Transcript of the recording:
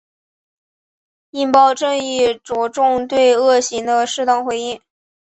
应报正义着重对恶行的适当回应。